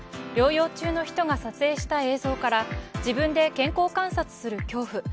療養中の人が撮影した映像から自分で健康観察する恐怖。